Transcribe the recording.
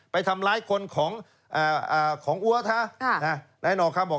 ไปทำร้ายคนของเอ่อเอ่อของอัวธิ์ฮะอ่านายหนอคำบอก